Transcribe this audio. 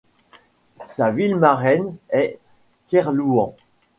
Sa ville marraine est Kerlouan.